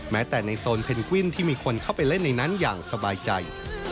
แม้แต่ในโซนเพนกวินที่มีคนเข้าไปเล่นในนั้นอย่างสบายใจ